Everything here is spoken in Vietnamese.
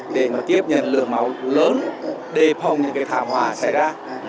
để mà tiếp nhận lượng máu lớn để phòng những cái thảm họa xảy ra